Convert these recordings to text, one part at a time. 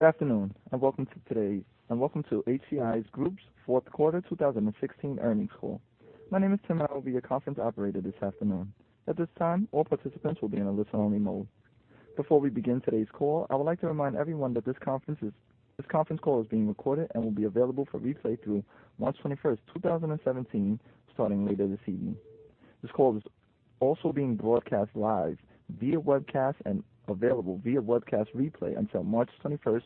Good afternoon, and welcome to HCI Group's fourth quarter 2016 earnings call. My name is Tim, and I will be your conference operator this afternoon. At this time, all participants will be in a listen-only mode. Before we begin today's call, I would like to remind everyone that this conference call is being recorded and will be available for replay through March 21st, 2017, starting later this evening. This call is also being broadcast live via webcast and available via webcast replay until March 21st,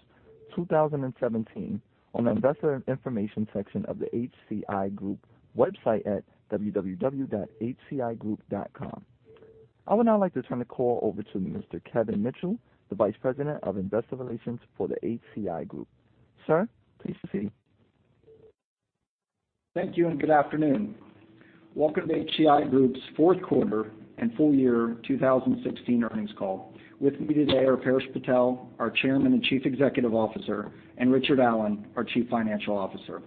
2017, on the investor information section of the HCI Group website at www.hcigroup.com. I would now like to turn the call over to Mr. Kevin Mitchell, the Vice President of Investor Relations for the HCI Group. Sir, please proceed. Thank you, and good afternoon. Welcome to HCI Group's fourth quarter and full year 2016 earnings call. With me today are Paresh Patel, our Chairman and Chief Executive Officer, and Richard Allen, our Chief Financial Officer.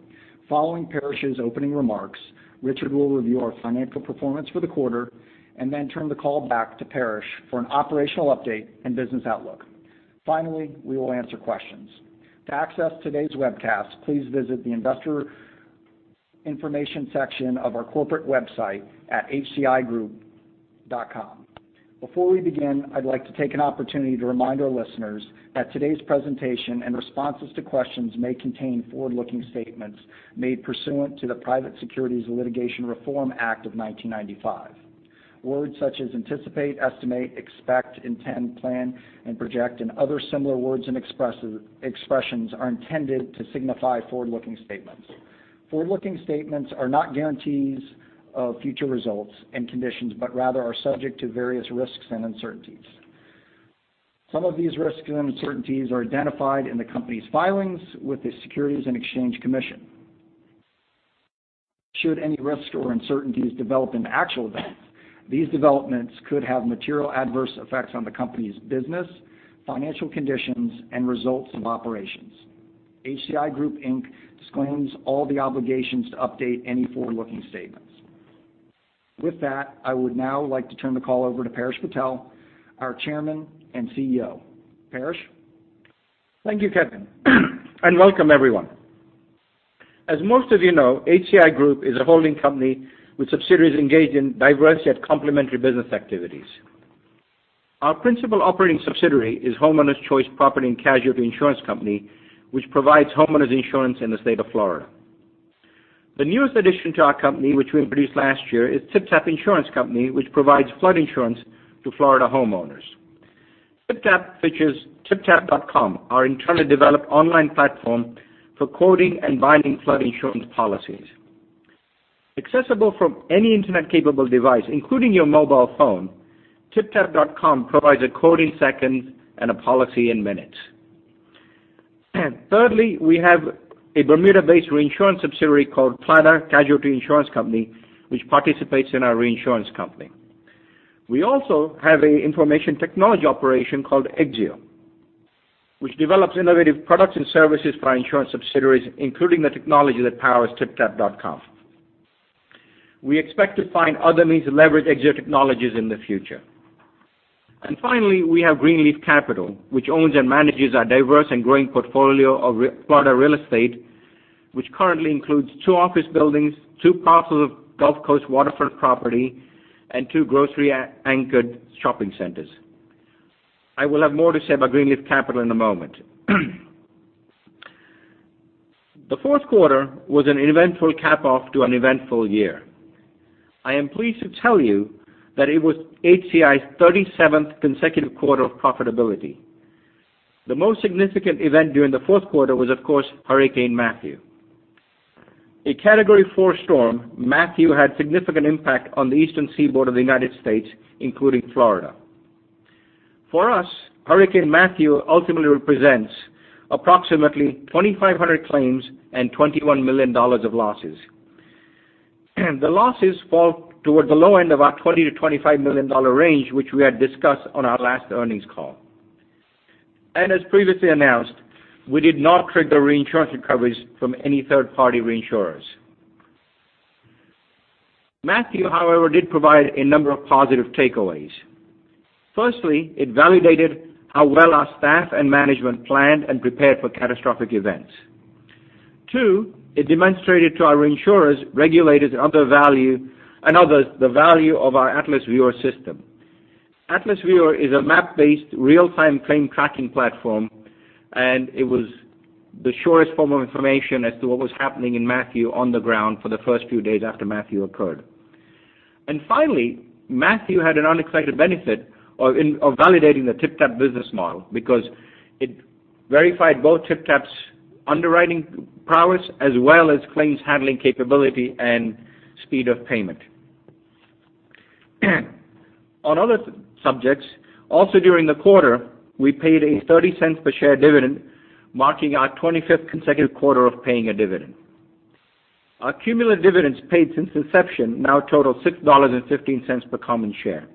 Following Paresh's opening remarks, Richard will review our financial performance for the quarter and then turn the call back to Paresh for an operational update and business outlook. Finally, we will answer questions. To access today's webcast, please visit the investor information section of our corporate website at hcigroup.com. Before we begin, I'd like to take an opportunity to remind our listeners that today's presentation and responses to questions may contain forward-looking statements made pursuant to the Private Securities Litigation Reform Act of 1995. Words such as anticipate, estimate, expect, intend, plan, and project, and other similar words and expressions are intended to signify forward-looking statements. Forward-looking statements are not guarantees of future results and conditions, but rather are subject to various risks and uncertainties. Some of these risks and uncertainties are identified in the company's filings with the Securities and Exchange Commission. Should any risks or uncertainties develop in actual events, these developments could have material adverse effects on the company's business, financial conditions and results of operations. HCI Group Inc. disclaims all the obligations to update any forward-looking statements. With that, I would now like to turn the call over to Paresh Patel, our Chairman and CEO. Paresh. Thank you, Kevin, and welcome everyone. As most of you know, HCI Group is a holding company with subsidiaries engaged in diversified complementary business activities. Our principal operating subsidiary is Homeowners Choice Property & Casualty Insurance Company, which provides homeowners insurance in the state of Florida. The newest addition to our company, which we introduced last year, is TypTap Insurance Company, which provides flood insurance to Florida homeowners. TypTap features typtap.com, our internally developed online platform for quoting and binding flood insurance policies. Accessible from any internet-capable device, including your mobile phone, typtap.com provides a quote in seconds and a policy in minutes. Thirdly, we have a Bermuda-based reinsurance subsidiary called Claddaugh Casualty Insurance Company, which participates in our reinsurance company. We also have an information technology operation called Exzeo, which develops innovative products and services for our insurance subsidiaries, including the technology that powers typtap.com. We expect to find other means to leverage Exzeo technologies in the future. Finally, we have Greenleaf Capital, which owns and manages our diverse and growing portfolio of Florida real estate, which currently includes two office buildings, two parcels of Gulf Coast waterfront property, and two grocery-anchored shopping centers. I will have more to say about Greenleaf Capital in a moment. The fourth quarter was an eventful cap-off to an eventful year. I am pleased to tell you that it was HCI's 37th consecutive quarter of profitability. The most significant event during the fourth quarter was, of course, Hurricane Matthew. A Category 4 storm, Matthew had significant impact on the eastern seaboard of the United States, including Florida. For us, Hurricane Matthew ultimately represents approximately 2,500 claims and $21 million of losses. The losses fall toward the low end of our $20 million-$25 million range, which we had discussed on our last earnings call. As previously announced, we did not trigger reinsurance recoveries from any third-party reinsurers. Matthew, however, did provide a number of positive takeaways. Firstly, it validated how well our staff and management planned and prepared for catastrophic events. Two, it demonstrated to our reinsurers, regulators, and others the value of our Atlas Viewer system. Atlas Viewer is a map-based real-time claim tracking platform, and it was the surest form of information as to what was happening in Matthew on the ground for the first few days after Matthew occurred. Finally, Matthew had an unexpected benefit of validating the TypTap business model because it verified both TypTap's underwriting prowess as well as claims handling capability and speed of payment. On other subjects, also during the quarter, we paid a $0.30 per share dividend, marking our 25th consecutive quarter of paying a dividend. Our cumulative dividends paid since inception now total $6.15 per common share.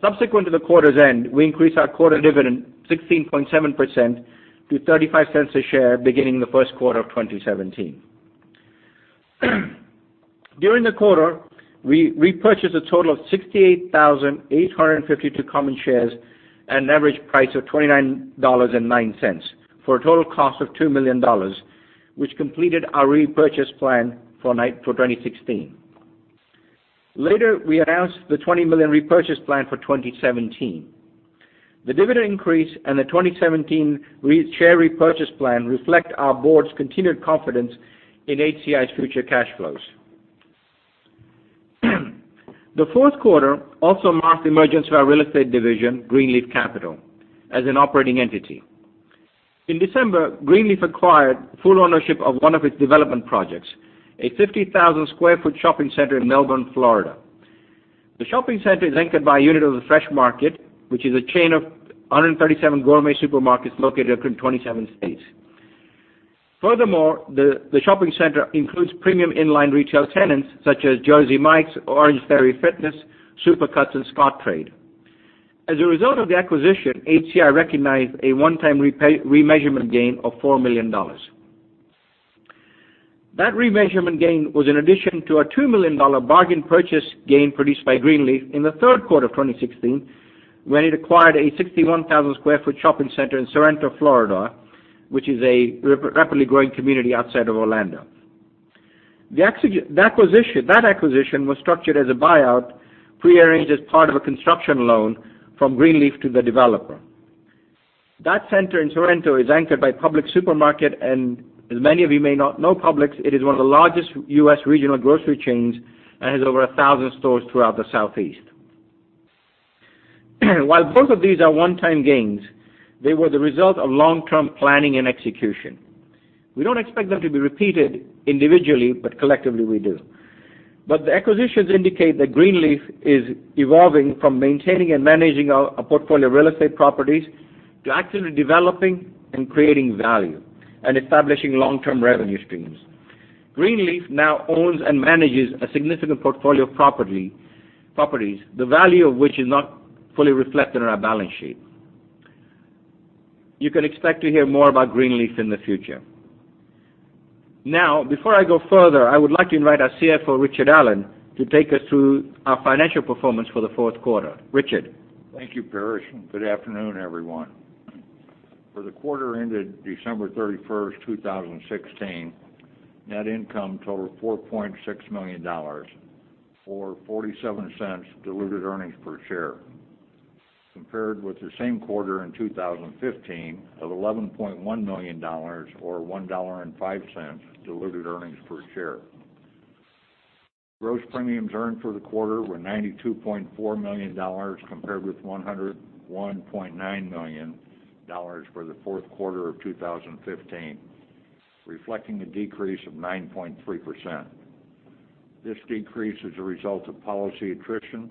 Subsequent to the quarter's end, we increased our quarter dividend 16.7% to $0.35 a share beginning the first quarter of 2017. During the quarter, we repurchased a total of 68,852 common shares at an average price of $29.09 for a total cost of $2 million, which completed our repurchase plan for 2016. Later, we announced the $20 million repurchase plan for 2017. The dividend increase and the 2017 share repurchase plan reflect our board's continued confidence in HCI's future cash flows. The fourth quarter also marked the emergence of our real estate division, Greenleaf Capital, as an operating entity. In December, Greenleaf acquired full ownership of one of its development projects, a 50,000 square foot shopping center in Melbourne, Florida. The shopping center is anchored by a unit of The Fresh Market, which is a chain of 137 gourmet supermarkets located across 27 states. Furthermore, the shopping center includes premium in-line retail tenants such as Jersey Mike's, Orangetheory Fitness, Supercuts, and Scottrade. As a result of the acquisition, HCI recognized a one-time remeasurement gain of $4 million. That remeasurement gain was in addition to a $2 million bargain purchase gain produced by Greenleaf in the third quarter of 2016 when it acquired a 61,000 square foot shopping center in Sorrento, Florida, which is a rapidly growing community outside of Orlando. That acquisition was structured as a buyout, prearranged as part of a construction loan from Greenleaf to the developer. That center in Sorrento is anchored by Publix Super Market, and as many of you may not know Publix, it is one of the largest U.S. regional grocery chains and has over 1,000 stores throughout the Southeast. While both of these are one-time gains, they were the result of long-term planning and execution. We don't expect them to be repeated individually, but collectively we do. The acquisitions indicate that Greenleaf is evolving from maintaining and managing a portfolio of real estate properties to actively developing and creating value and establishing long-term revenue streams. Greenleaf now owns and manages a significant portfolio of properties, the value of which is not fully reflected on our balance sheet. You can expect to hear more about Greenleaf in the future. Now, before I go further, I would like to invite our CFO, Richard Allen, to take us through our financial performance for the fourth quarter. Richard? Thank you, Paresh, good afternoon, everyone. For the quarter ended December 31st, 2016, net income totaled $4.6 million, or $0.47 diluted earnings per share, compared with the same quarter in 2015 of $11.1 million, or $1.05 diluted earnings per share. Gross premiums earned for the quarter were $92.4 million, compared with $101.9 million for the fourth quarter of 2015, reflecting a decrease of 9.3%. This decrease is a result of policy attrition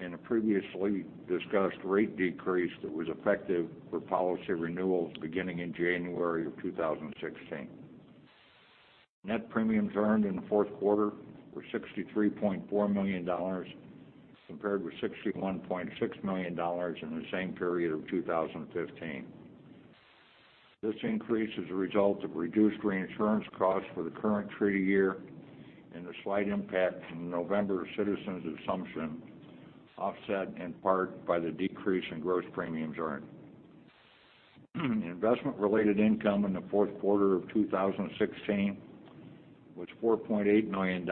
and a previously discussed rate decrease that was effective for policy renewals beginning in January of 2016. Net premiums earned in the fourth quarter were $63.4 million, compared with $61.6 million in the same period of 2015. This increase is a result of reduced reinsurance costs for the current treaty year and a slight impact from the November Citizens assumption, offset in part by the decrease in gross premiums earned. Investment-related income in the fourth quarter of 2016 was $4.8 million,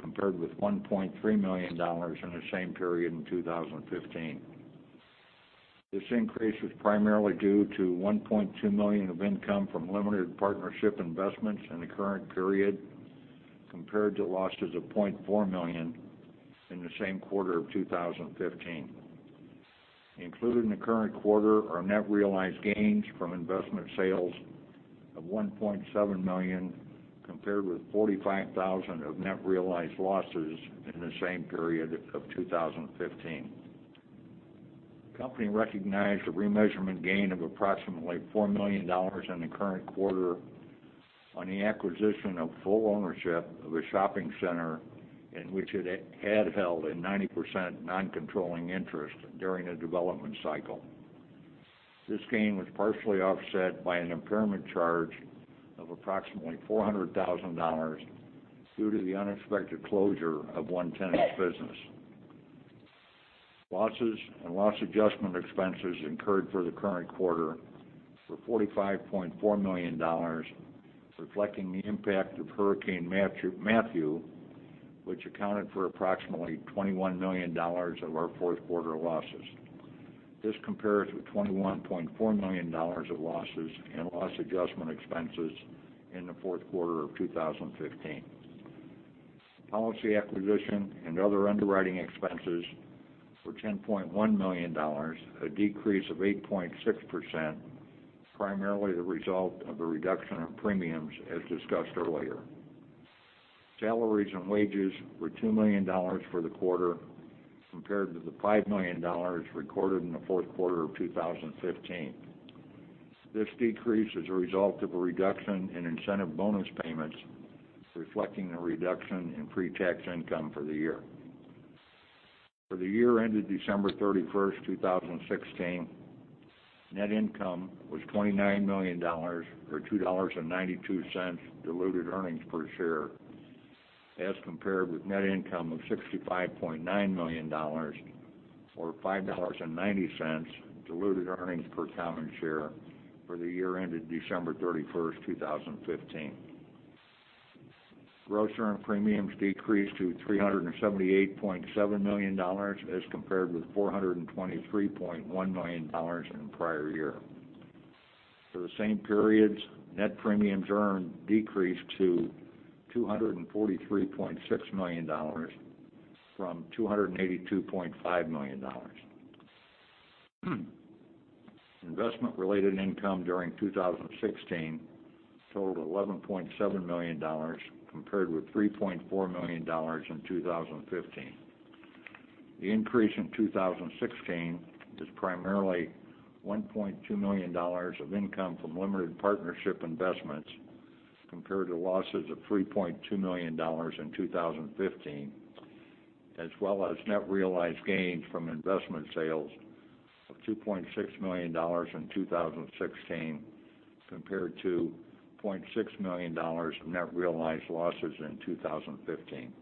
compared with $1.3 million in the same period in 2015. This increase was primarily due to $1.2 million of income from limited partnership investments in the current period, compared to losses of $0.4 million in the same quarter of 2015. Included in the current quarter are net realized gains from investment sales of $1.7 million, compared with $45,000 of net realized losses in the same period of 2015. The company recognized a remeasurement gain of approximately $4 million in the current quarter on the acquisition of full ownership of a shopping center in which it had held a 90% non-controlling interest during the development cycle. This gain was partially offset by an impairment charge of approximately $400,000 due to the unexpected closure of one tenant's business. Losses and loss adjustment expenses incurred for the current quarter were $45.4 million, reflecting the impact of Hurricane Matthew, which accounted for approximately $21 million of our fourth quarter losses. This compares with $21.4 million of losses and loss adjustment expenses in the fourth quarter of 2015. Policy acquisition and other underwriting expenses were $10.1 million, a decrease of 8.6%, primarily the result of a reduction of premiums as discussed earlier. Salaries and wages were $2 million for the quarter, compared to the $5 million recorded in the fourth quarter of 2015. This decrease is a result of a reduction in incentive bonus payments, reflecting a reduction in pre-tax income for the year. For the year ended December 31st, 2016, net income was $29 million, or $2.92 diluted earnings per share, as compared with net income of $65.9 million, or $5.90 diluted earnings per common share for the year ended December 31st, 2015. Gross earn premiums decreased to $378.7 million as compared with $423.1 million in the prior year. For the same periods, net premiums earned decreased to $243.6 million from $282.5 million. Investment related income during 2016 totaled $11.7 million, compared with $3.4 million in 2015. The increase in 2016 is primarily $1.2 million of income from limited partnership investments, compared to losses of $3.2 million in 2015, as well as net realized gains from investment sales of $2.6 million in 2016, compared to $0.6 million in net realized losses in 2015.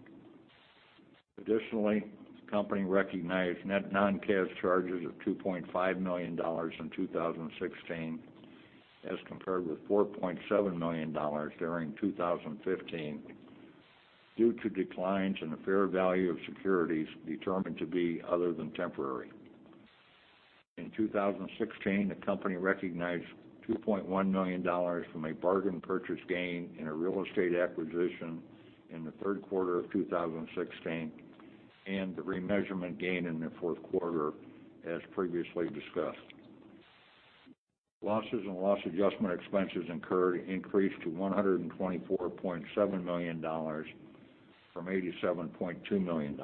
Additionally, the company recognized net non-cash charges of $2.5 million in 2016 as compared with $4.7 million during 2015 due to declines in the fair value of securities determined to be other than temporary. In 2016, the company recognized $2.1 million from a bargain purchase gain in a real estate acquisition in the third quarter of 2016 and the remeasurement gain in the fourth quarter, as previously discussed. Losses and loss adjustment expenses incurred increased to $124.7 million from $87.2 million.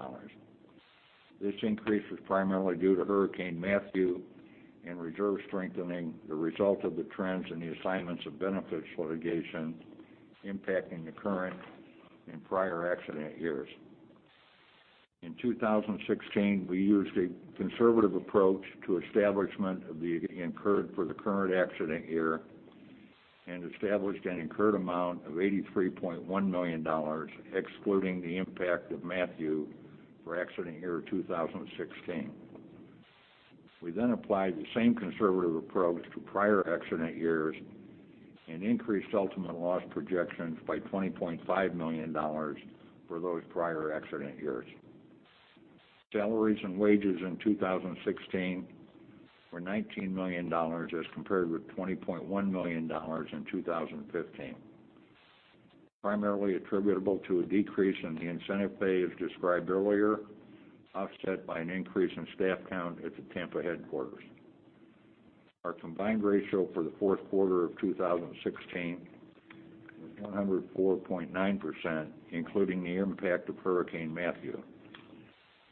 This increase was primarily due to Hurricane Matthew and reserve strengthening, the result of the trends in the assignments of benefits litigation impacting the current and prior accident years. In 2016, we used a conservative approach to establishment of the incurred for the current accident year and established an incurred amount of $83.1 million, excluding the impact of Matthew for accident year 2016. We applied the same conservative approach to prior accident years and increased ultimate loss projections by $20.5 million for those prior accident years. Salaries and wages in 2016 were $19 million as compared with $20.1 million in 2015, primarily attributable to a decrease in the incentive pay, as described earlier, offset by an increase in staff count at the Tampa headquarters. Our combined ratio for the fourth quarter of 2016 was 104.9%, including the impact of Hurricane Matthew,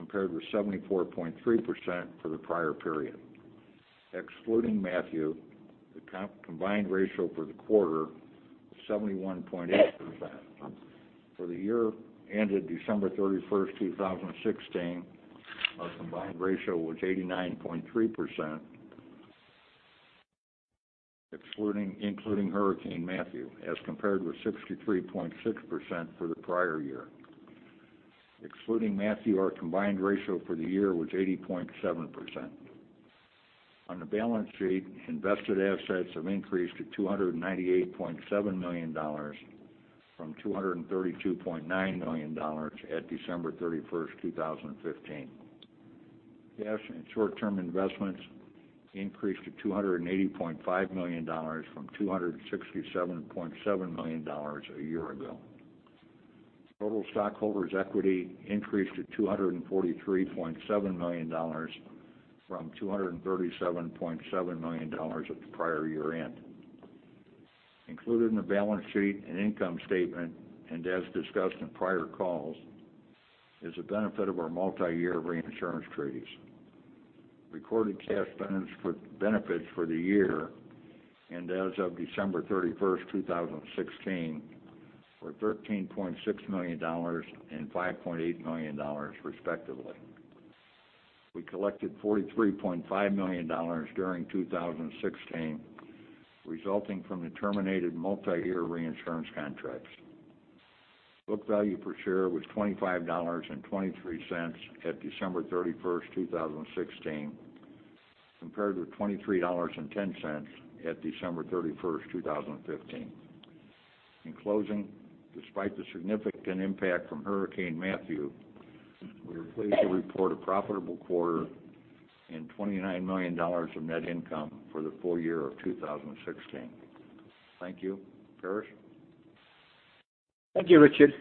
compared with 74.3% for the prior period. Excluding Matthew, the combined ratio for the quarter, 71.8%. For the year ended December 31st, 2016, our combined ratio was 89.3%, including Hurricane Matthew, as compared with 63.6% for the prior year. Excluding Matthew, our combined ratio for the year was 80.7%. On the balance sheet, invested assets have increased to $298.7 million from $232.9 million at December 31st, 2015. Cash and short-term investments increased to $280.5 million from $267.7 million a year ago. Total stockholders' equity increased to $243.7 million from $237.7 million at the prior year-end. Included in the balance sheet and income statement, and as discussed in prior calls, is the benefit of our multi-year reinsurance treaties. Recorded cash benefits for the year and as of December 31st, 2016, were $13.6 million and $5.8 million respectively. We collected $43.5 million during 2016, resulting from the terminated multi-year reinsurance contracts. Book value per share was $25.23 at December 31st, 2016, compared with $23.10 at December 31st, 2015. In closing, despite the significant impact from Hurricane Matthew, we are pleased to report a profitable quarter and $29 million of net income for the full year of 2016. Thank you. Paresh? Thank you, Richard.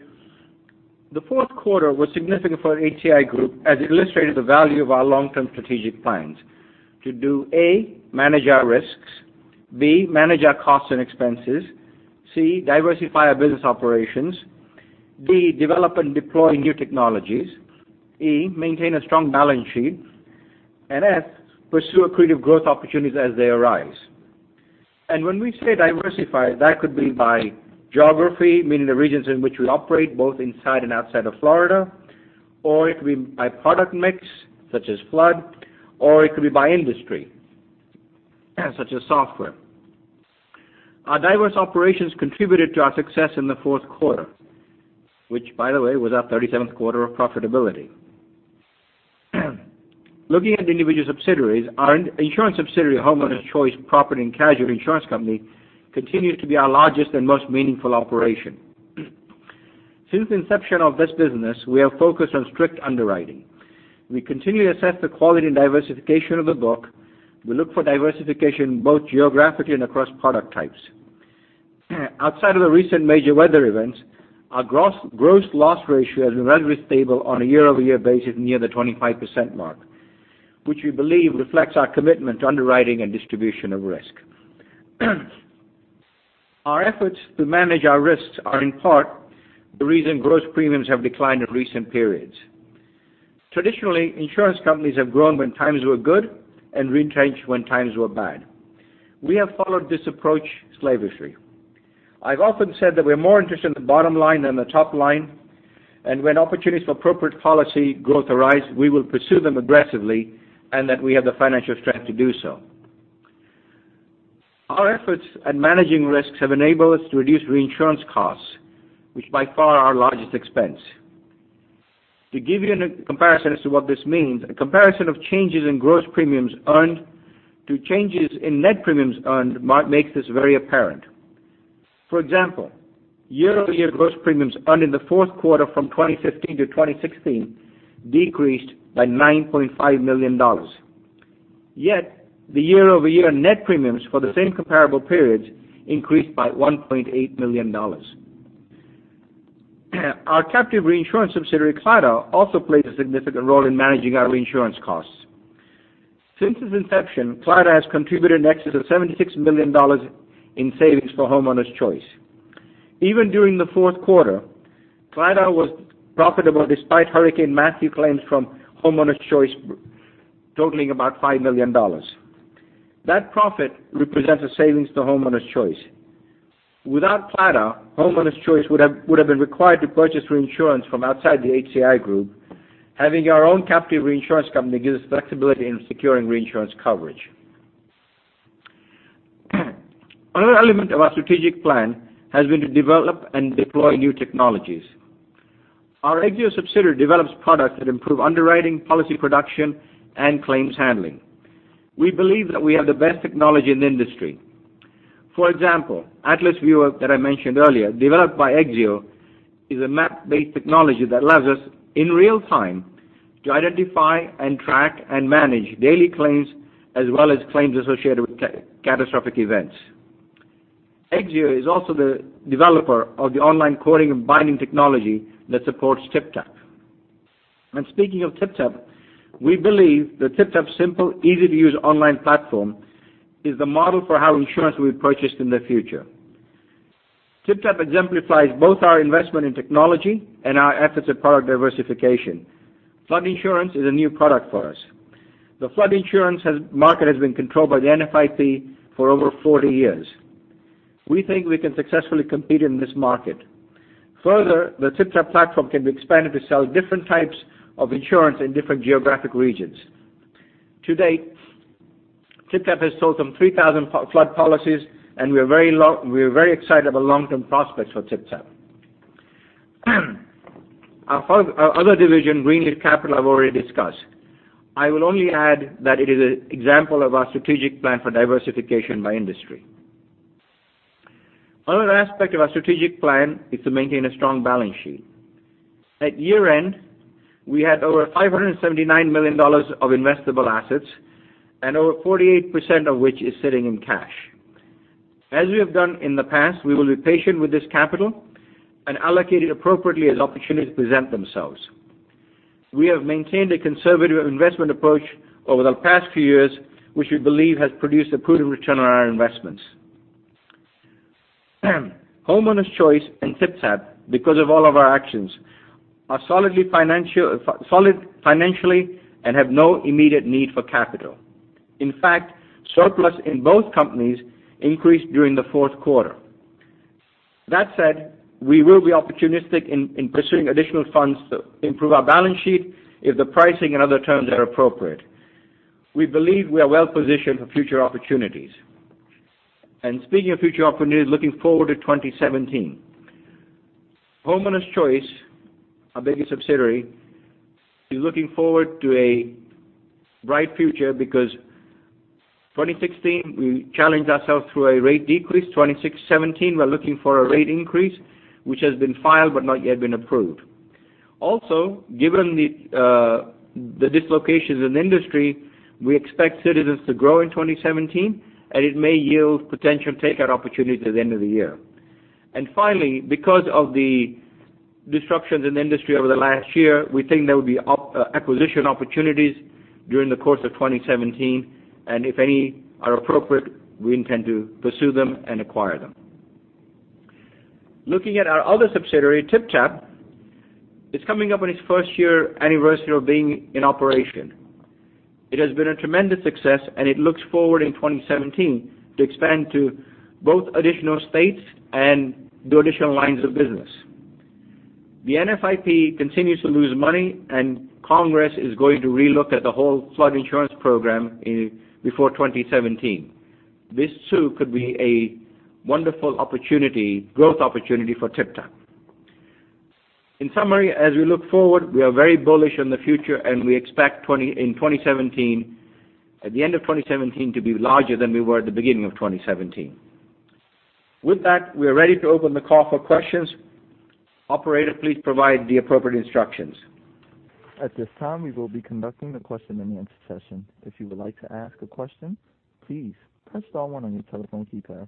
The fourth quarter was significant for HCI Group as it illustrated the value of our long-term strategic plans to do, A, manage our risks, B, manage our costs and expenses, C, diversify our business operations, D, develop and deploy new technologies, E, maintain a strong balance sheet, and F, pursue accretive growth opportunities as they arise. When we say diversified, that could be by geography, meaning the regions in which we operate, both inside and outside of Florida, or it could be by product mix, such as flood, or it could be by industry, such as software. Our diverse operations contributed to our success in the fourth quarter, which by the way, was our 37th quarter of profitability. Looking at individual subsidiaries, our insurance subsidiary, Homeowners Choice Property & Casualty Insurance Company, continues to be our largest and most meaningful operation. Since the inception of this business, we are focused on strict underwriting. We continue to assess the quality and diversification of the book. We look for diversification both geographically and across product types. Outside of the recent major weather events, our gross loss ratio has been relatively stable on a year-over-year basis near the 25% mark, which we believe reflects our commitment to underwriting and distribution of risk. Our efforts to manage our risks are in part the reason gross premiums have declined in recent periods. Traditionally, insurance companies have grown when times were good and retrenched when times were bad. We have followed this approach slavishly. I've often said that we're more interested in the bottom line than the top line, and when opportunities for appropriate policy growth arise, we will pursue them aggressively and that we have the financial strength to do so. Our efforts at managing risks have enabled us to reduce reinsurance costs, which is by far our largest expense. To give you a comparison as to what this means, a comparison of changes in gross premiums earned to changes in net premiums earned might make this very apparent. For example, year-over-year gross premiums earned in the fourth quarter from 2015 to 2016 decreased by $9.5 million. Yet, the year-over-year net premiums for the same comparable periods increased by $1.8 million. Our captive reinsurance subsidiary, Claddaugh, also plays a significant role in managing our reinsurance costs. Since its inception, Claddaugh has contributed in excess of $76 million in savings for Homeowners Choice. Even during the fourth quarter, Claddaugh was profitable despite Hurricane Matthew claims from Homeowners Choice totaling about $5 million. That profit represents a savings to Homeowners Choice. Without Claddaugh, Homeowners Choice would have been required to purchase reinsurance from outside the HCI Group. Having our own captive reinsurance company gives us flexibility in securing reinsurance coverage. Another element of our strategic plan has been to develop and deploy new technologies. Our Exzeo subsidiary develops products that improve underwriting, policy production, and claims handling. We believe that we have the best technology in the industry. For example, Atlas Viewer that I mentioned earlier, developed by Exzeo, is a map-based technology that allows us, in real time, to identify and track and manage daily claims, as well as claims associated with catastrophic events. Exzeo is also the developer of the online quoting and binding technology that supports TypTap. Speaking of TypTap, we believe that TypTap's simple, easy-to-use online platform is the model for how insurance will be purchased in the future. TypTap exemplifies both our investment in technology and our efforts at product diversification. Flood insurance is a new product for us. The flood insurance market has been controlled by the NFIP for over 40 years. We think we can successfully compete in this market. Further, the TypTap platform can be expanded to sell different types of insurance in different geographic regions. To date, TypTap has sold some 3,000 flood policies. We are very excited about long-term prospects for TypTap. Our other division, Greenleaf Capital, I've already discussed. I will only add that it is an example of our strategic plan for diversification by industry. Another aspect of our strategic plan is to maintain a strong balance sheet. At year-end, we had over $579 million of investable assets and over 48% of which is sitting in cash. As we have done in the past, we will be patient with this capital and allocate it appropriately as opportunities present themselves. We have maintained a conservative investment approach over the past few years, which we believe has produced a prudent return on our investments. Homeowners Choice and TypTap, because of all of our actions, are solid financially and have no immediate need for capital. In fact, surplus in both companies increased during the fourth quarter. That said, we will be opportunistic in pursuing additional funds to improve our balance sheet if the pricing and other terms are appropriate. We believe we are well positioned for future opportunities. Speaking of future opportunities, looking forward to 2017. Homeowners Choice, our biggest subsidiary, is looking forward to a bright future because in 2016, we challenged ourselves through a rate decrease. 2016-2017, we're looking for a rate increase, which has been filed but not yet been approved. Also, given the dislocations in the industry, we expect Citizens to grow in 2017. It may yield potential takeout opportunities at the end of the year. Finally, because of the disruptions in the industry over the last year, we think there will be acquisition opportunities during the course of 2017. If any are appropriate, we intend to pursue them and acquire them. Looking at our other subsidiary, TypTap, it's coming up on its first year anniversary of being in operation. It has been a tremendous success. It looks forward in 2017 to expand to both additional states and do additional lines of business. The NFIP continues to lose money. Congress is going to relook at the whole flood insurance program before 2017. This, too, could be a wonderful growth opportunity for TypTap. In summary, as we look forward, we are very bullish on the future. We expect at the end of 2017 to be larger than we were at the beginning of 2017. With that, we are ready to open the call for questions. Operator, please provide the appropriate instructions. At this time, we will be conducting the question-and-answer session. If you would like to ask a question, please press star one on your telephone keypad.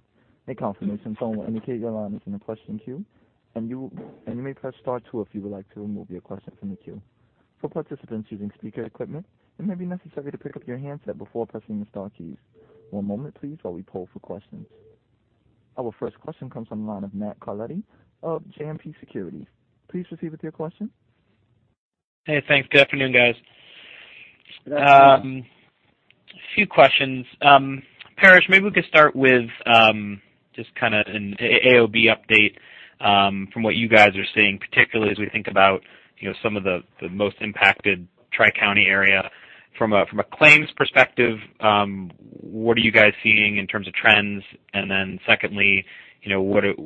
A confirmation tone will indicate your line is in the question queue. You may press star two if you would like to remove your question from the queue. For participants using speaker equipment, it may be necessary to pick up your handset before pressing the star keys. One moment please, while we poll for questions. Our first question comes from the line of Matthew Carletti of JMP Securities. Please proceed with your question. Hey, thanks. Good afternoon, guys. Good afternoon. A few questions. Paresh, maybe we could start with just an AOB update from what you guys are seeing, particularly as we think about some of the most impacted Tri-County area. From a claims perspective, what are you guys seeing in terms of trends? Secondly, what have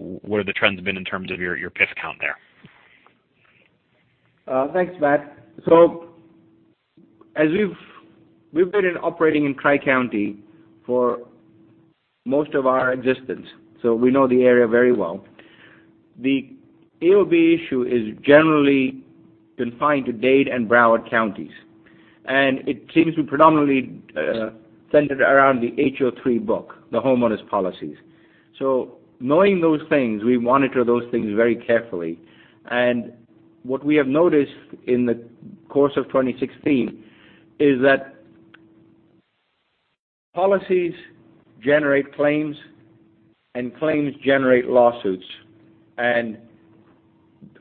the trends been in terms of your PIF count there? Thanks, Matt. We've been operating in Tri-County for most of our existence, so we know the area very well. The AOB issue is generally confined to Dade and Broward Counties, and it seems to predominantly center around the HO3 book, the homeowners policies. Knowing those things, we monitor those things very carefully. What we have noticed in the course of 2016 is that policies generate claims, and claims generate lawsuits, and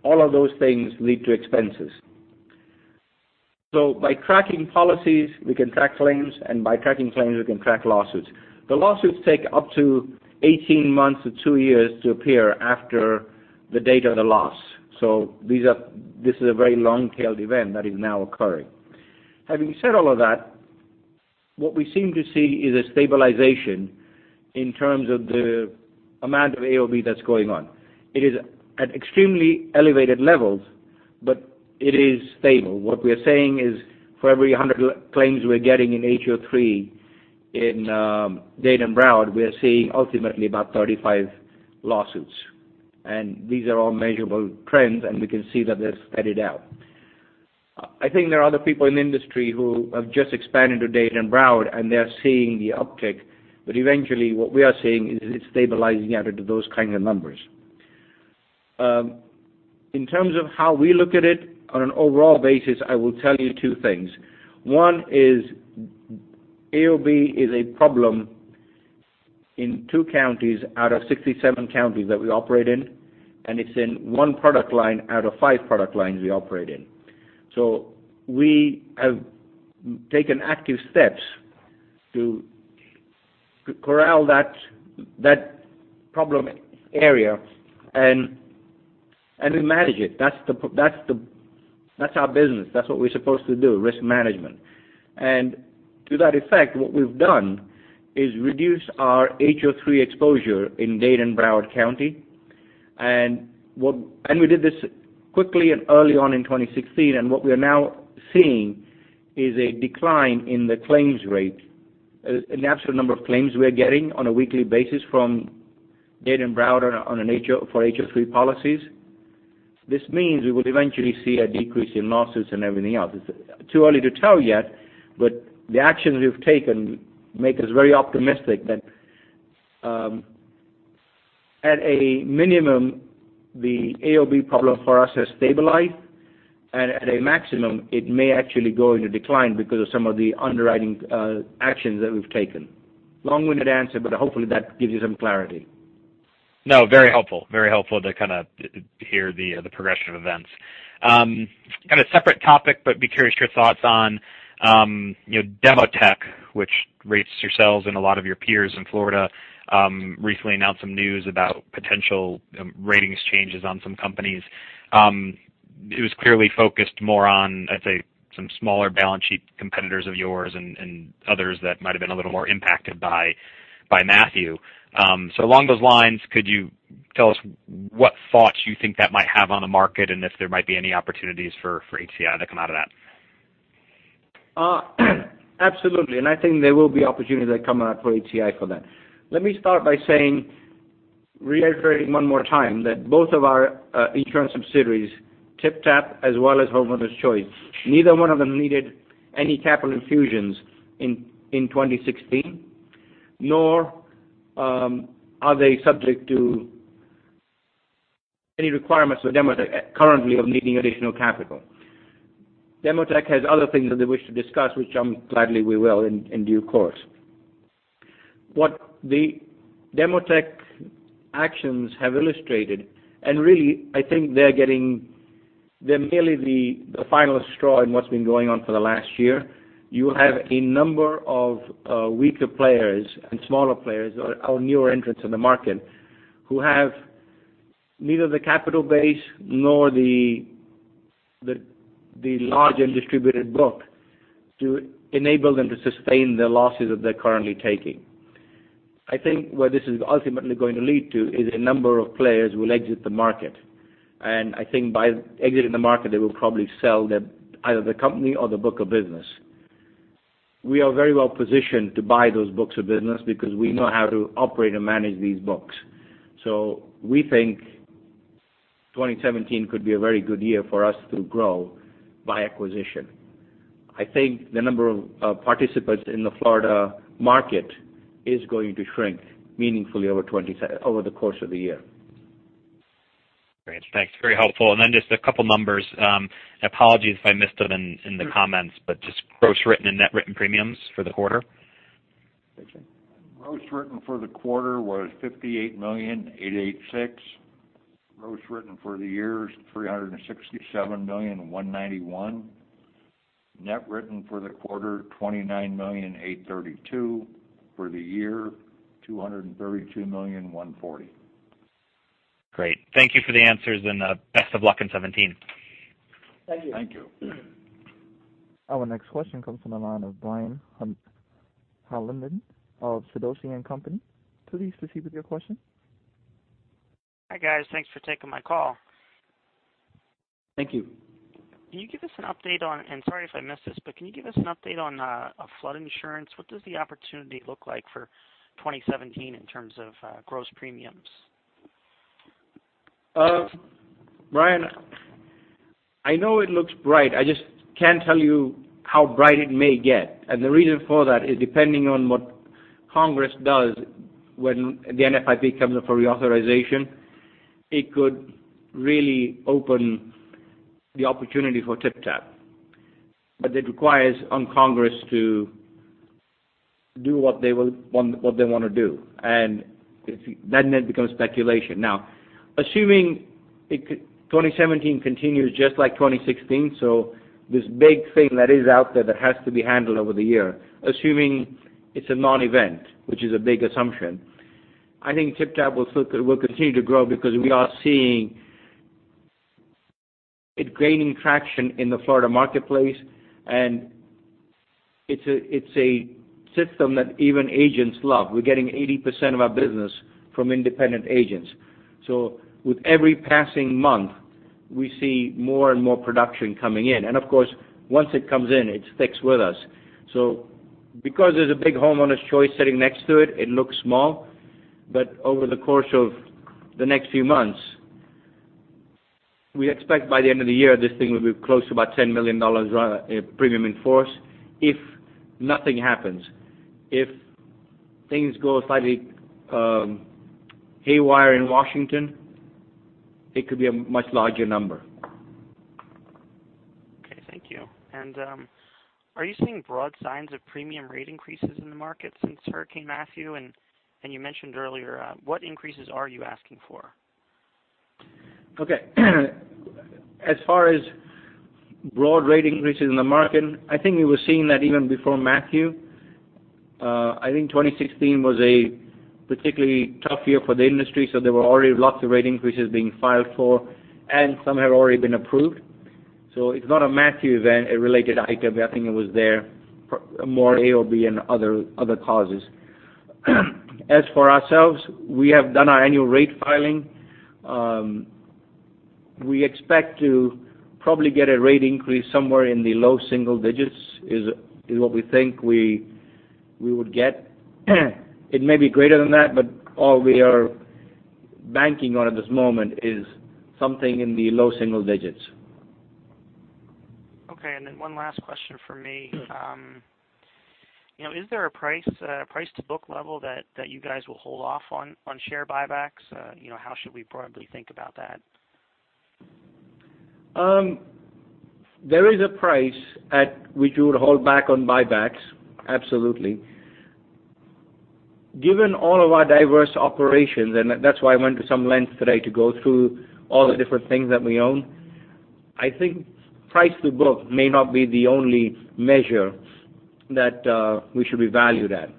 all of those things lead to expenses. By tracking policies, we can track claims, and by tracking claims, we can track lawsuits. The lawsuits take up to 18 months to two years to appear after the date of the loss. This is a very long-tailed event that is now occurring. Having said all of that, what we seem to see is a stabilization in terms of the amount of AOB that's going on. It is at extremely elevated levels, it is stable. What we are saying is, for every 100 claims we are getting in HO3 in Dade and Broward, we are seeing ultimately about 35 lawsuits. These are all measurable trends, and we can see that they're steadied out. I think there are other people in the industry who have just expanded to Dade and Broward, and they're seeing the uptick. Eventually, what we are seeing is it's stabilizing out into those kind of numbers. In terms of how we look at it on an overall basis, I will tell you two things. One is AOB is a problem in 67 counties that we operate in, and it's in one product line out of five product lines we operate in. We have taken active steps to corral that problem area, and we manage it. That's our business. That's what we're supposed to do, risk management. To that effect, what we've done is reduce our HO3 exposure in Dade and Broward County. We did this quickly and early on in 2016, and what we are now seeing is a decline in the claims rate, in the absolute number of claims we are getting on a weekly basis from Dade and Broward for HO3 policies. This means we will eventually see a decrease in lawsuits and everything else. It's too early to tell yet, the actions we've taken make us very optimistic that, at a minimum, the AOB problem for us has stabilized, and at a maximum, it may actually go into decline because of some of the underwriting actions that we've taken. Long-winded answer, hopefully, that gives you some clarity. Very helpful. Very helpful to hear the progression of events. Kind of separate topic, be curious your thoughts on Demotech, which rates yourselves and a lot of your peers in Florida, recently announced some news about potential ratings changes on some companies. It was clearly focused more on, I'd say, some smaller balance sheet competitors of yours and others that might have been a little more impacted by Matthew. Along those lines, could you tell us what thoughts you think that might have on the market, and if there might be any opportunities for HCI that come out of that? Absolutely. I think there will be opportunities that come out for HCI for that. Let me start by reiterating one more time that both of our insurance subsidiaries, TypTap, as well as Homeowners Choice, neither one of them needed any capital infusions in 2016, nor are they subject to any requirements for Demotech currently of needing additional capital. Demotech has other things that they wish to discuss, which gladly we will in due course. What the Demotech actions have illustrated, really, I think they're merely the final straw in what's been going on for the last year. You have a number of weaker players and smaller players, or newer entrants in the market, who have neither the capital base nor the large and distributed book to enable them to sustain the losses that they're currently taking. I think where this is ultimately going to lead to is a number of players will exit the market, I think by exiting the market, they will probably sell either the company or the book of business. We are very well positioned to buy those books of business because we know how to operate and manage these books. We think 2017 could be a very good year for us to grow by acquisition. I think the number of participants in the Florida market is going to shrink meaningfully over the course of the year. Great. Thanks. Very helpful. Just a couple numbers. Apologies if I missed them in the comments, just gross written and net written premiums for the quarter. Richard? Gross written for the quarter was $58,000,886. Gross written for the year is $367,000,191. Net written for the quarter, $29,000,832. For the year, $232,000,140. Great. Thank you for the answers and best of luck in 2017. Thank you. Thank you. Our next question comes from the line of Brian Hollenden of Sidoti & Company. Please proceed with your question. Hi, guys. Thanks for taking my call. Thank you. Can you give us an update on, and sorry if I missed this, but can you give us an update on flood insurance? What does the opportunity look like for 2017 in terms of gross premiums? Brian, I know it looks bright. I just can't tell you how bright it may get. The reason for that is depending on what Congress does when the NFIP comes up for reauthorization, it could really open the opportunity for TypTap. It requires on Congress to do what they want to do. Then it becomes speculation. Assuming 2017 continues just like 2016, this big thing that is out there that has to be handled over the year, assuming it's a non-event, which is a big assumption, I think TypTap will continue to grow because we are seeing it gaining traction in the Florida marketplace, and it's a system that even agents love. We're getting 80% of our business from independent agents. With every passing month, we see more and more production coming in. Of course, once it comes in, it sticks with us. Because there's a big Homeowners Choice sitting next to it looks small. Over the course of the next few months, we expect by the end of the year, this thing will be close to about $10 million premium in force if nothing happens. If things go slightly haywire in Washington, it could be a much larger number. Okay, thank you. Are you seeing broad signs of premium rate increases in the market since Hurricane Matthew? You mentioned earlier, what increases are you asking for? Okay. As far as broad rate increases in the market, I think we were seeing that even before Matthew. I think 2016 was a particularly tough year for the industry, there were already lots of rate increases being filed for, and some have already been approved. It's not a Matthew event, a related item. I think it was there more AOB and other causes. As for ourselves, we have done our annual rate filing. We expect to probably get a rate increase somewhere in the low single digits, is what we think we would get. It may be greater than that, all we are banking on at this moment is something in the low single digits. Okay, one last question from me. Sure. Is there a price to book level that you guys will hold off on share buybacks? How should we probably think about that? There is a price at which we would hold back on buybacks, absolutely. Given all of our diverse operations, that's why I went to some length today to go through all the different things that we own, I think price to book may not be the only measure that we should be valued at.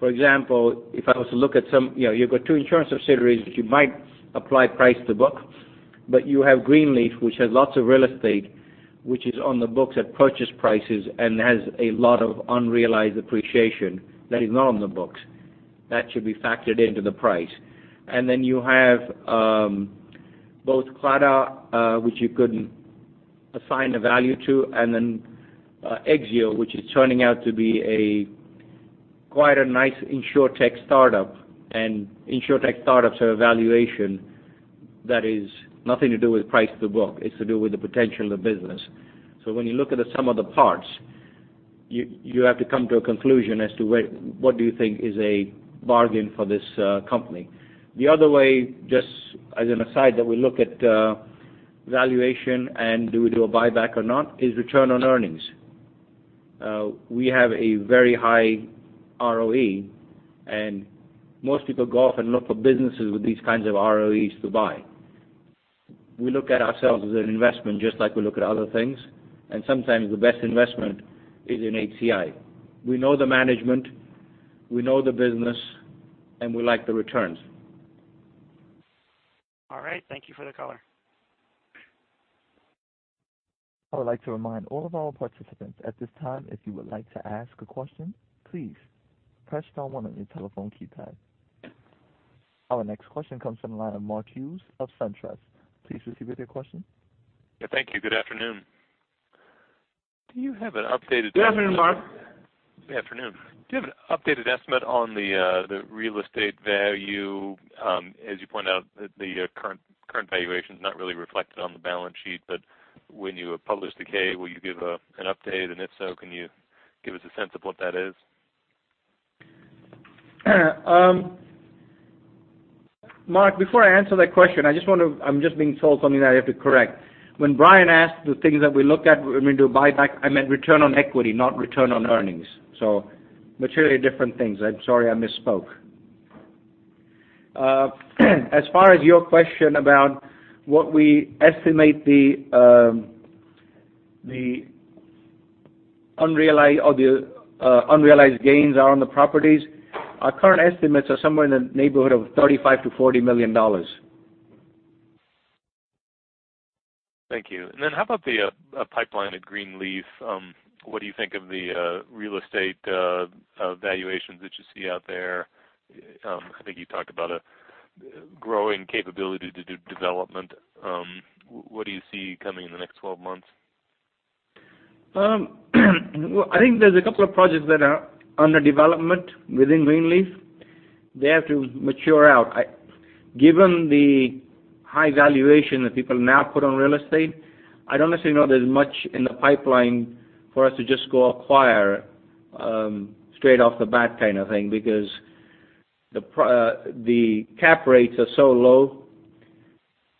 For example, if I was to look at some, you've got two insurance subsidiaries that you might apply price to book, you have Greenleaf, which has lots of real estate, which is on the books at purchase prices and has a lot of unrealized appreciation that is not on the books. That should be factored into the price. Then you have both Claddaugh which you couldn't assign a value to, and then Exzeo, which is turning out to be quite a nice Insurtech startup. Insurtech startups are a valuation that is nothing to do with price to book. It's to do with the potential of the business. When you look at the sum of the parts, you have to come to a conclusion as to what do you think is a bargain for this company. The other way, just as an aside that we look at valuation and do we do a buyback or not is return on earnings. We have a very high ROE, most people go off and look for businesses with these kinds of ROEs to buy. We look at ourselves as an investment, just like we look at other things, sometimes the best investment is in HCI. We know the management, we know the business, and we like the returns. All right. Thank you for the color. I would like to remind all of our participants at this time, if you would like to ask a question, please press star one on your telephone keypad. Our next question comes from the line of Mark Hughes of SunTrust. Please proceed with your question. Yeah. Thank you. Good afternoon. Do you have an updated Good afternoon, Mark. Good afternoon. Do you have an updated estimate on the real estate value? As you pointed out, the current valuation is not really reflected on the balance sheet, when you publish the K, will you give an update? If so, can you give us a sense of what that is? Mark, before I answer that question, I'm just being told something that I have to correct. When Brian asked the things that we look at when we do a buyback, I meant return on equity, not return on earnings. Materially different things. I'm sorry, I misspoke. As far as your question about what we estimate the unrealized gains are on the properties, our current estimates are somewhere in the neighborhood of $35 million-$40 million. Thank you. How about the pipeline at Greenleaf? What do you think of the real estate valuations that you see out there? I think you talked about a growing capability to do development. What do you see coming in the next 12 months? Well, I think there's a couple of projects that are under development within Greenleaf. They have to mature out. Given the high valuation that people now put on real estate, I don't necessarily know there's much in the pipeline for us to just go acquire straight off the bat kind of thing, because the cap rates are so low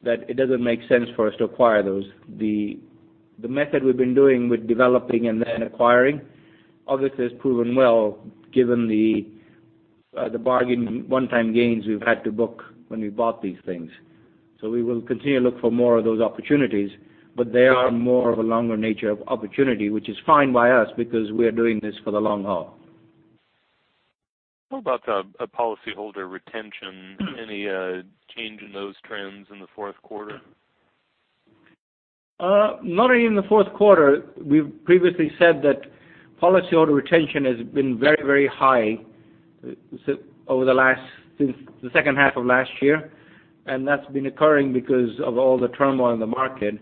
that it doesn't make sense for us to acquire those. The method we've been doing with developing and then acquiring obviously has proven well, given the bargain one-time gains we've had to book when we bought these things. We will continue to look for more of those opportunities, but they are more of a longer nature of opportunity, which is fine by us because we are doing this for the long haul. How about policyholder retention? Any change in those trends in the fourth quarter? Not even in the fourth quarter. We've previously said that policyholder retention has been very high since the second half of last year, that's been occurring because of all the turmoil in the market.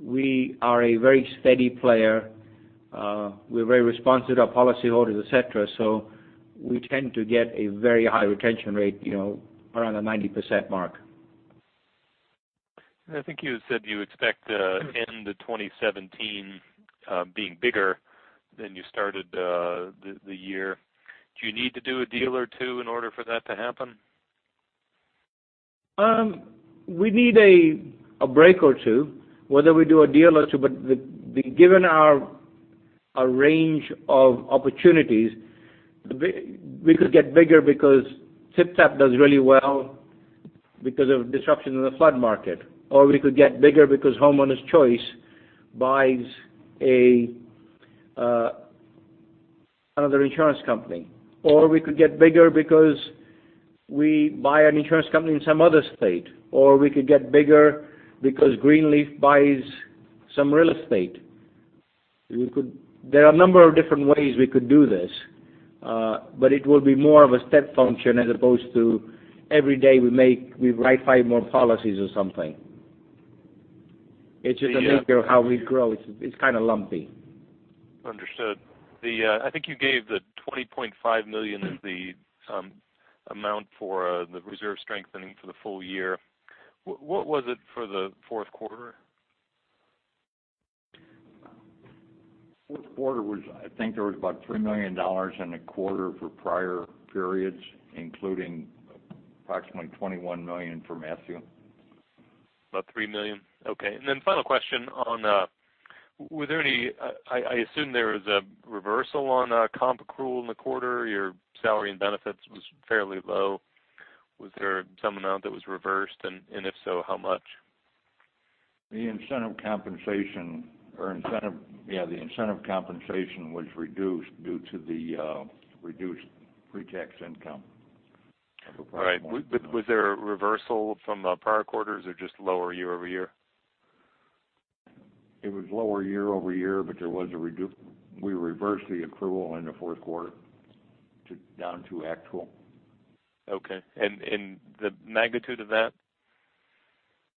We are a very steady player. We're very responsive to our policyholders, et cetera, we tend to get a very high retention rate, around the 90% mark. I think you had said you expect to end the 2017 being bigger than you started the year. Do you need to do a deal or two in order for that to happen? We need a break or two, whether we do a deal or two. Given our range of opportunities, we could get bigger because TypTap does really well because of disruption in the flood market, we could get bigger because Homeowners Choice buys another insurance company. We could get bigger because we buy an insurance company in some other state. We could get bigger because Greenleaf buys some real estate. There are a number of different ways we could do this. It will be more of a step function as opposed to every day we write five more policies or something. It's just the nature of how we grow. It's kind of lumpy. Understood. I think you gave the $20.5 million as the amount for the reserve strengthening for the full year. What was it for the fourth quarter? Fourth quarter was, I think there was about $3 million in the quarter for prior periods, including approximately $21 million for Matthew. About $3 million? Okay. Final question on, I assume there was a reversal on comp accrual in the quarter. Your salary and benefits was fairly low. Was there some amount that was reversed, and if so, how much? The incentive compensation was reduced due to the reduced pre-tax income of approximately- Right. Was there a reversal from prior quarters or just lower year-over-year? It was lower year-over-year, we reversed the accrual in the fourth quarter down to actual. Okay. The magnitude of that?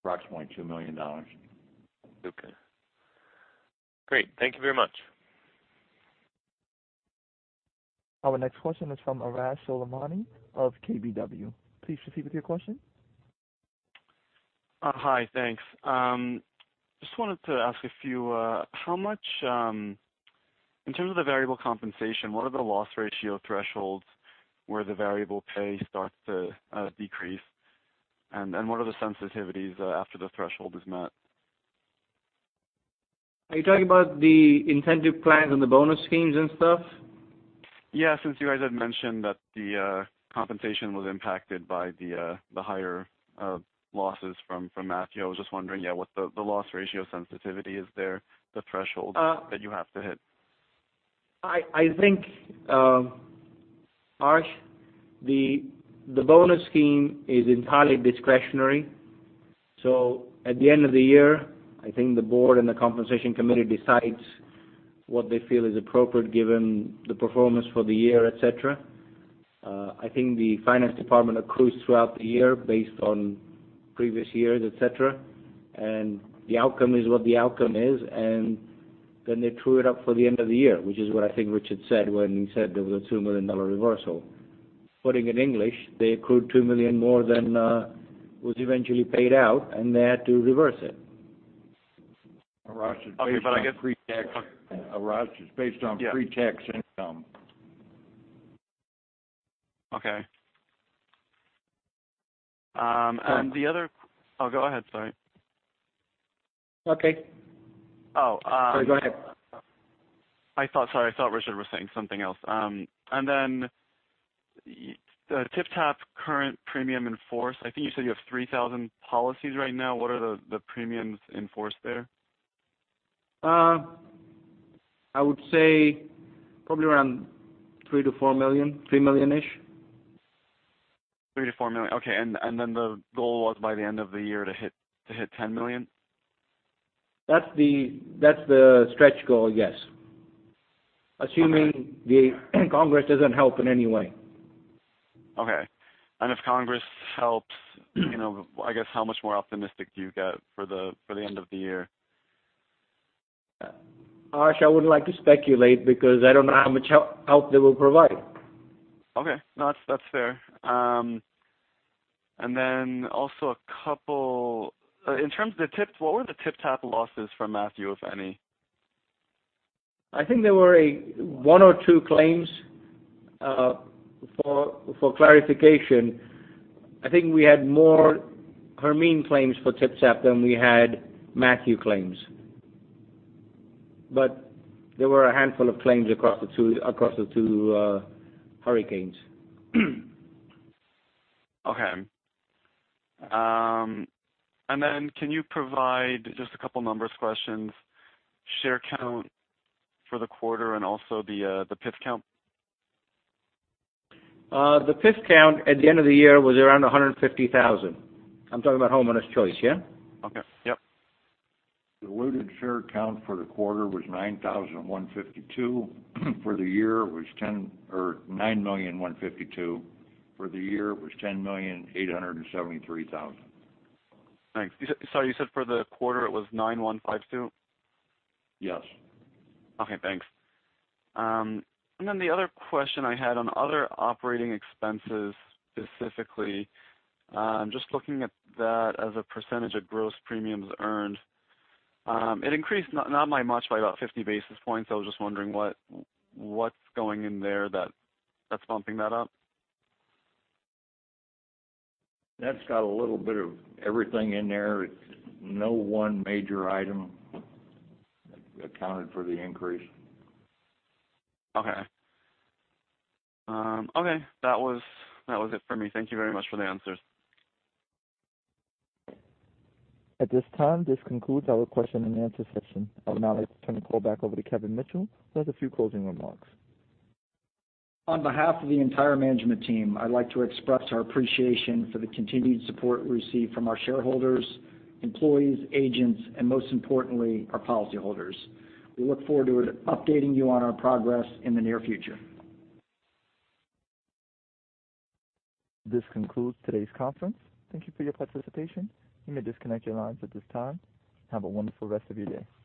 Approximately $2 million. Okay. Great. Thank you very much. Our next question is from Arash Soleimani of KBW. Please proceed with your question. Hi. Thanks. Just wanted to ask a few. How much In terms of the variable compensation, what are the loss ratio thresholds where the variable pay starts to decrease? What are the sensitivities after the threshold is met? Are you talking about the incentive plans and the bonus schemes and stuff? Yeah. Since you guys have mentioned that the compensation was impacted by the higher losses from Hurricane Matthew, I was just wondering what the loss ratio sensitivity is there, the threshold that you have to hit. I think, Arash, the bonus scheme is entirely discretionary. At the end of the year, I think the board and the compensation committee decides what they feel is appropriate given the performance for the year, et cetera. I think the finance department accrues throughout the year based on previous years, et cetera, the outcome is what the outcome is. They true it up for the end of the year, which is what I think Richard said when he said there was a $2 million reversal. Putting in English, they accrued $2 million more than was eventually paid out, and they had to reverse it. Arash, it's based on pre-tax income. Okay. Oh, go ahead. Sorry. Okay. Oh. No, go ahead. Sorry, I thought Richard was saying something else. Then the TypTap current premium in force, I think you said you have 3,000 policies right now. What are the premiums in force there? I would say probably around $3 million-$4 million, $3 million-ish. $3 million-$4 million. Okay. Then the goal was by the end of the year to hit $10 million? That's the stretch goal, yes. Assuming the Congress doesn't help in any way. Okay. If Congress helps, I guess, how much more optimistic do you get for the end of the year? Arash, I wouldn't like to speculate because I don't know how much help they will provide. Okay. No, that's fair. Also, in terms of the TypTap, what were the TypTap losses from Matthew, if any? I think there were one or two claims. For clarification, I think we had more Hermine claims for TypTap than we had Matthew claims. There were a handful of claims across the two hurricanes. Okay. Can you provide, just a couple numbers questions, share count for the quarter and also the PIF count? The PIF count at the end of the year was around 150,000. I'm talking about Homeowners Choice, yeah? Okay. Yep. The diluted share count for the quarter was 9,152. For the year, it was 9,152,000. For the year, it was 10,873,000. Thanks. Sorry, you said for the quarter it was 9,152? Yes. Okay, thanks. The other question I had on other operating expenses specifically, just looking at that as a percentage of gross premiums earned. It increased not by much, by about 50 basis points. I was just wondering what's going in there that's bumping that up? That's got a little bit of everything in there. No one major item accounted for the increase. Okay. That was it for me. Thank you very much for the answers. At this time, this concludes our question and answer session. I would now like to turn the call back over to Kevin Mitchell, who has a few closing remarks. On behalf of the entire management team, I'd like to express our appreciation for the continued support we receive from our shareholders, employees, agents, and most importantly, our policyholders. We look forward to updating you on our progress in the near future. This concludes today's conference. Thank you for your participation. You may disconnect your lines at this time. Have a wonderful rest of your day.